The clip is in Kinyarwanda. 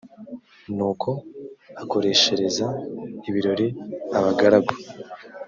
nuko akoreshereza ibirori abagaragu